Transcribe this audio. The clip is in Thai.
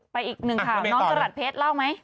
ไปอีกหนึ่งค่ะน้องกระหลัดเพชรเล่าไหม